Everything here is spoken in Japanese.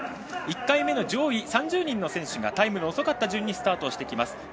１回目の上位３０人の選手がタイムの遅かった順でスタートします。